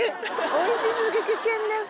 おいし過ぎ危険です。